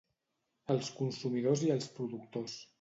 Els consumidors i els productors.